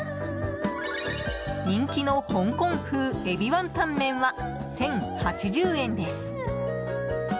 人気の香港風エビワンタン麺は１０８０円です。